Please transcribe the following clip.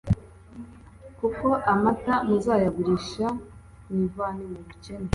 kuko amata muzayagurisha mwivane mu bukene